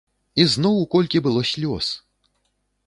Ізноў колькі было слёз!